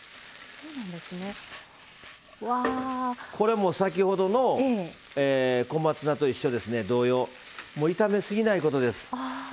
これも先ほどの小松菜と一緒で炒めすぎないことです。